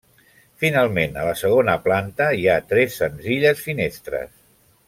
Finalment, a la segona planta hi ha tres senzilles finestres.